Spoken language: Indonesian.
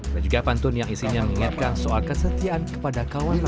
juga pantun yang isinya mengingatkan soal kesetiaan kepada kawan kawan